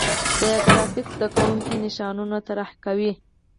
د ګرافیک زده کوونکي نشانونه طراحي کوي.